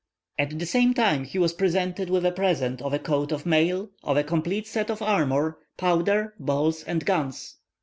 At the same time he was presented with a present of a coat of mail, of a complete set of armour, powder, balls, and guns.